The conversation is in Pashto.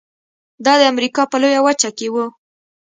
دا د امریکا په لویه وچه کې و.